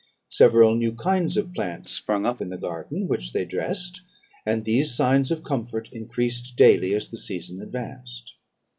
Several new kinds of plants sprung up in the garden, which they dressed; and these signs of comfort increased daily as the season advanced.